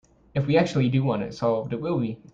If we actually do want it solved, it will be.